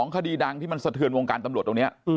คดีดังที่มันสะเทือนวงการตำรวจตรงนี้